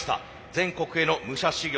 全国への武者修行。